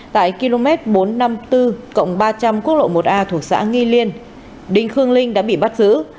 tại km bốn trăm năm mươi bốn ba trăm linh quốc lộ một a thuộc xã nghi liên đinh khương linh đã bị bắt giữ